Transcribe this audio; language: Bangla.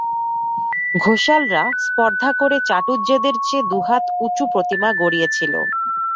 ঘোষালরা স্পর্ধা করে চাটুজ্যেদের চেয়ে দু-হাত উঁচু প্রতিমা গড়িয়েছিল।